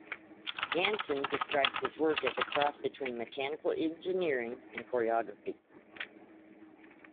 Ganson describes his work as a cross between mechanical engineering and choreography.